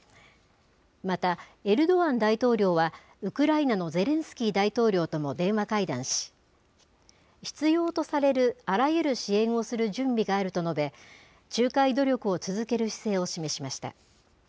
またエルドアン大統領はウクライナのゼレンスキー大統領とも電話会談し、必要とされるあらゆる支援をする準備があると述べ、仲介努力を続ける姿勢を示しました。